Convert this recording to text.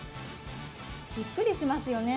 びっくりしますよね。